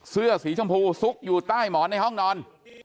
เสื้อสีชมพูซุกอยู่ใต้หมอนในห้องนอน